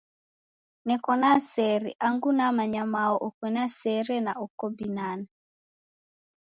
Neko na sere, angu namanya mao oko na sere na oko binana.